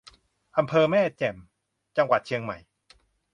อำเภอแม่แจ่ม จังหวัดเชียงใหม่